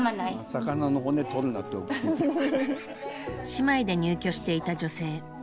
姉妹で入居していた女性。